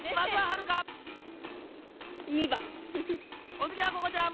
おつぎはここちゃん！